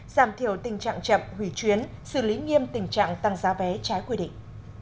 giảm thiểu tình trạng chậm hủy chuyến xử lý nghiêm tình trạng tăng giá vé trái quy định